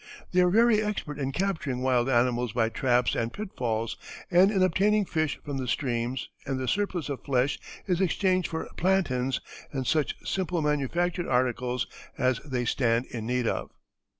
They are very expert in capturing wild animals by traps and pitfalls, and in obtaining fish from the streams; and the surplus of flesh is exchanged for plantains and such simple manufactured articles as they stand in need of.